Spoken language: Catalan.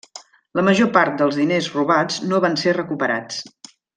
La major part dels diners robats no van ser recuperats.